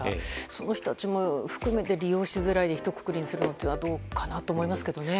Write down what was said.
その人たちも含めて利用しづらいでひとくくりにするのはどうかなと思いますけどね。